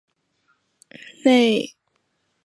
内沃吉尔迪是葡萄牙波尔图区的一个堂区。